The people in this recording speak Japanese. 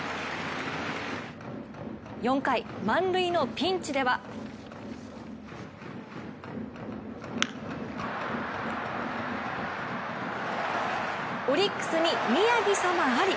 ４回、満塁のピンチではオリックスに宮城様あり。